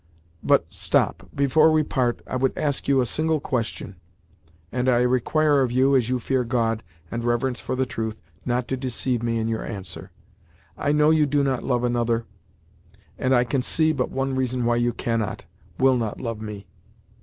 But, stop before we part, I would ask you a single question. And I require of you, as you fear God, and reverence the truth, not to deceive me in your answer. I know you do not love another and I can see but one reason why you cannot, will not love me.